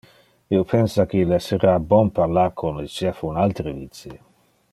Io pensa que il essera bon parlar con le chef un altere vice.